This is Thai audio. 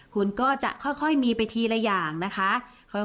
คุณก็จะค่อยมีไปทีละอย่างนะคะ